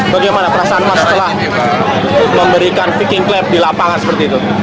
bagaimana perasaan mas setelah memberikan viking clap di lapangan seperti itu